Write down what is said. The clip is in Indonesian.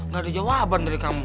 gak ada jawaban dari kamu